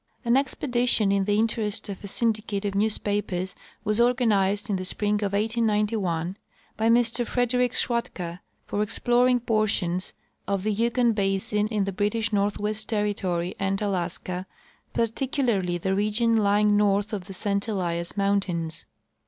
An expedition in the interest of a syndicate of newspapers was organized in the spring of 1891 by Mr Frederick Schwatka for exploring portions of the Yukon basin in the British Nortliwest Territory and Alaska, particularly the region lying north of the St Elias mountains.